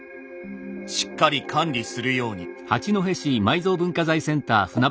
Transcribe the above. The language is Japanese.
しっかり管理するように」。